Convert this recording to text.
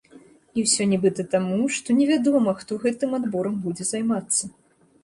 А ўсё нібыта таму, што не вядома, хто гэтым адборам будзе займацца.